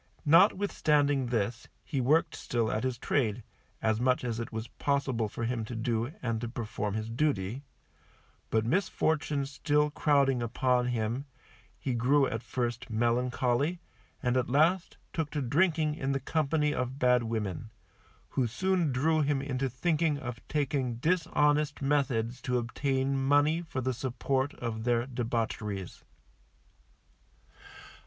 Notwithstanding this he worked still at his trade, as much as it was possible for him to do, and to perform his duty; but misfortunes still crowding upon him, he grew at first melancholy, and at last took to drinking in the company of bad women, who soon drew him into thinking of taking dishonest methods to obtain money for the support of their debaucheries.